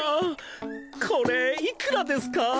これいくらですか？